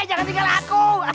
eh jangan tinggal aku